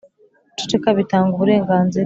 guceceka bitanga uburenganzira.